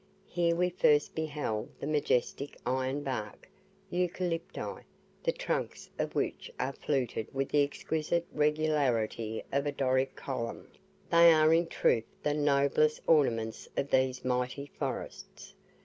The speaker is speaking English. Here we first beheld the majestic iron bark, EUCALYPTI, the trunks of which are fluted with the exquisite regularity of a Doric column; they are in truth the noblest ornaments of these mighty forests.